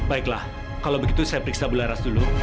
baiklah kalau begitu saya periksa belaras dulu